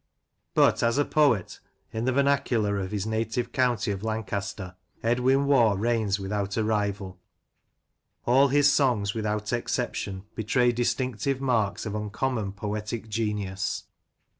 But, as a poet, in the vernacular of his native county of Lancaster, Edwin Waugh reigns without a rival. All his songs, without exception, betray distinctive marks of uncom mon poetic genius.